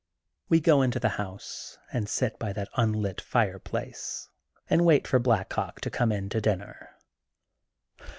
We go into the house and sit by that unlit fireplace and wait for Black Hawk to come in to dinner.